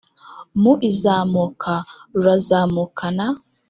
mu izamuka rurazamukana,